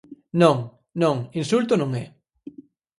Non, non, insulto non é.